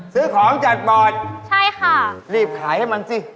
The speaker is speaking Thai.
มึงด้วยเหยิน